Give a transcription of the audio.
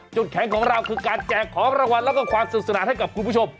แข็งของเราคือการแจกของรางวัลแล้วก็ความสุขสนานให้กับคุณผู้ชม